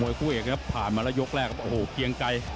คู่เอกครับผ่านมาแล้วยกแรกโอ้โหเกียงไกร